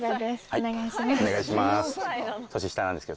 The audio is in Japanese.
はいお願いします。